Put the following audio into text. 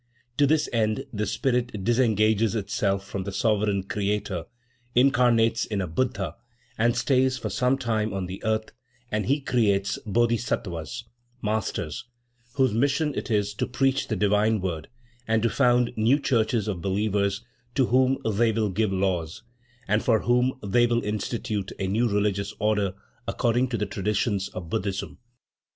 To this end the Spirit disengages itself from the sovereign Creator, incarnates in a buddha and stays for some time on the earth, where he creates Bodhisattvas (masters), whose mission it is to preach the divine word and to found new churches of believers to whom they will give laws, and for whom they will institute a new religious order according to the traditions of Buddhism.